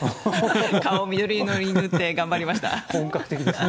顔を緑色に塗って頑張りました。